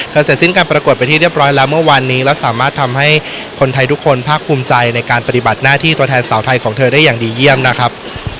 เสร็จสิ้นการประกวดไปที่เรียบร้อยแล้วเมื่อวานนี้แล้วสามารถทำให้คนไทยทุกคนภาคภูมิใจในการปฏิบัติหน้าที่ตัวแทนสาวไทยของเธอได้อย่างดีเยี่ยมนะครับ